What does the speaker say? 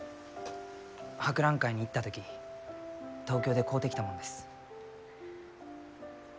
博覧会に行った時東京で買うてきたもんです。